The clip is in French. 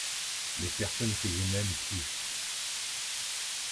Les personnes que je n’aime plus.